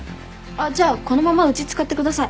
あっじゃあこのままうち使ってください。